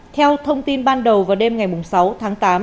theo thông tin ban đầu vào đêm ngày sáu tháng tám